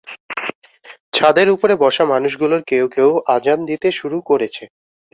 ছাদের ওপরে বসা মানুষগুলোর কেউ-কেউ আজান দিতে শুরু করেছে।